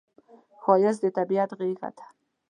ښایست د طبیعت غېږه ده